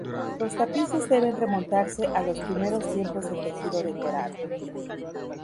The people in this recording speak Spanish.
Los tapices deben remontarse a los primeros tiempos del tejido decorado.